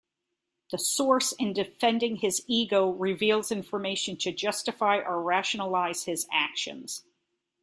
The source, in defending his ego, reveals information to justify or rationalize his actions.